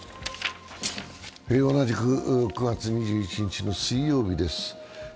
同じく９月２１日の水曜日です